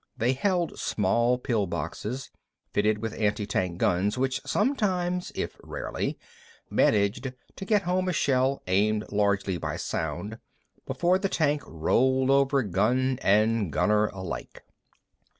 They held small pill boxes, fitted with anti tank guns which sometimes—if rarely—managed to get home a shell, aimed largely by sound, before the tank rolled over gun and gunners alike.